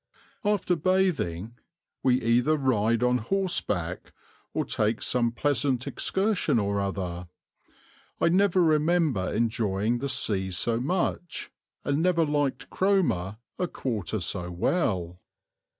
After bathing, we either ride on horseback or take some pleasant excursion or other. I never remember enjoying the sea so much, and never liked Cromer a quarter so well.